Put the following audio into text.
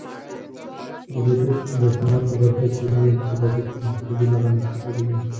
روبوټیکس د صنعت په برخه کې نوې انقلابي پرمختګونه رامنځته کړي دي.